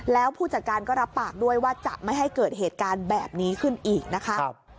แล้วผู้จัดการก็รับปากด้วยว่าจะไม่ให้เกิดเหตุการณ์แบบนี้ขึ้นอีกนะคะ